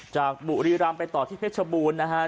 บุรีรำไปต่อที่เพชรบูรณ์นะฮะ